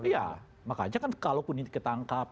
iya makanya kan kalau pun ini ketangkap